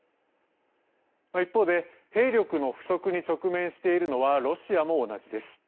一方で兵力の不足に直面しているのはロシアも同じです。